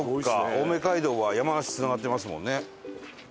青梅街道は山梨つながってますもんね。